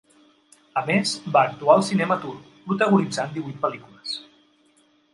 A més, va actuar al cinema turc, protagonitzant divuit pel·lícules.